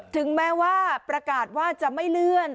ถึงแม้ว่าประกาศว่าจะไม่เลื่อน